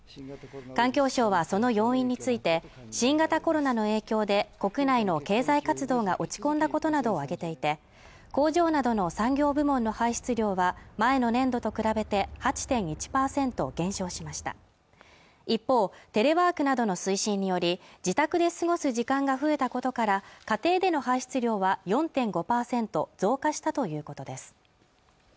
環境省はその要因について新型コロナの影響で国内の経済活動が落ち込んだことなどを挙げていて工場などの産業部門の排出量は前の年度と比べて８．１％減少しました一方テレワークなどの推進により自宅で過ごす時間が増えたことから家庭での排出量は４．５％増加したということです